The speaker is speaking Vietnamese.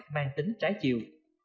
mang tính trái chiều